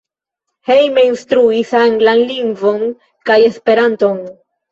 Hejme instruis anglan lingvon kaj Esperanton.